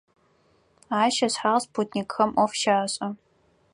Ащ ышъхьагъ спутникхэм Ӏоф щашӀэ.